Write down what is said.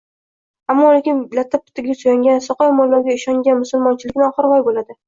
Ammo-lekin latta-puttaga suyangan, soqol-mo‘ylovga ishongan musulmonchilikni oxiri voy bo‘ladi.